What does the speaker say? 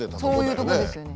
そういうとこですよね。